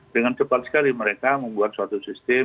dengan cepat sekali mereka membuat suatu sistem